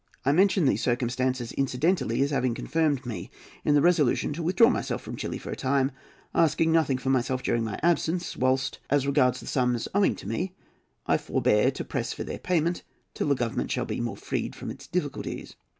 I mention these circumstances incidentally as having confirmed me in the resolution to withdraw myself from Chili for a time, asking nothing for myself during my absence; whilst, as regards the sums owing to me, I forbear to press for their payment till the Government shall be more freed from its difficulties.